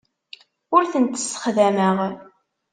Ur tent-ssexdameɣ.